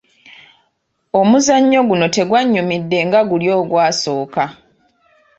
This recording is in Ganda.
Omuzannyo guno tegwannyumidde nga guli ogwasooka.